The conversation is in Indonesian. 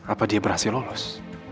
apa dia berhasil lolos